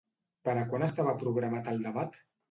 Per a quan estava programat el debat?